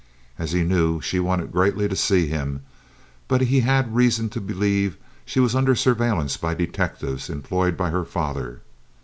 As he knew, she wanted greatly to see him, but he had reason to believe she was under surveillance by detectives employed by her father.